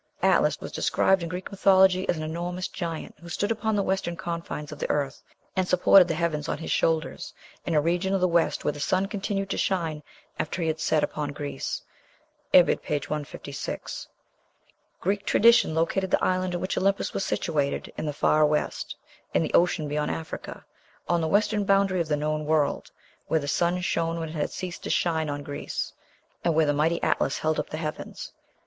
Atlas was described in Greek mythology as "an enormous giant, who stood upon the western confines of the earth, and supported the heavens on his shoulders, in a region of the west where the sun continued to shine after he had set upon Greece." (Ibid., p. 156.) Greek tradition located the island in which Olympus was situated "in the far west," "in the ocean beyond Africa," "on the western boundary of the known world," "where the sun shone when it had ceased to shine on Greece," and where the mighty Atlas "held up the heavens."